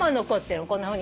こんなふうに。